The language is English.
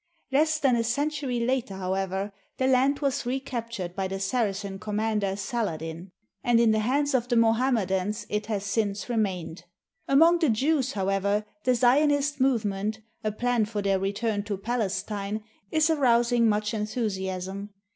Less than a century later, how ever, the land was recaptured by the Saracen commander Saladin ; and in the hands of the Mohammedans it has since remained. Among the Jews, however, the Zionist move ment, a plan for their return to Palestine, is arousing much enthusiasm.